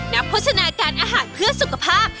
นักโภชนาการอาหารเพื่อสุขภาพ